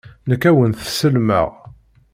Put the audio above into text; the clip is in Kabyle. Nekk, ad wen-t-sellmeɣ.